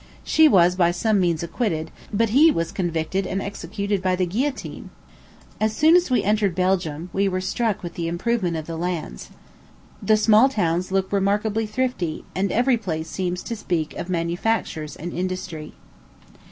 She was by some means acquitted, but he was convicted and executed by the guillotine. As soon as we entered Belgium, we were struck with the improvement of the lands. The small towns look remarkably thrifty, and every place seems to speak of manufactures and industry.